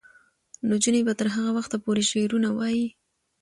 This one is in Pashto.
نجونې به تر هغه وخته پورې شعرونه وايي.